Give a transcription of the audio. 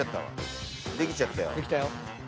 できちゃったよ。